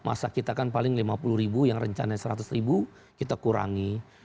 masa kita kan paling lima puluh ribu yang rencana seratus ribu kita kurangi